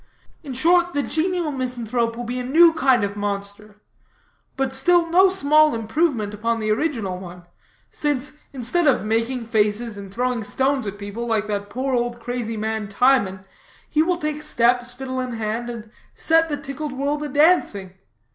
In short, the genial misanthrope will be a new kind of monster, but still no small improvement upon the original one, since, instead of making faces and throwing stones at people, like that poor old crazy man, Timon, he will take steps, fiddle in hand, and set the tickled world a'dancing.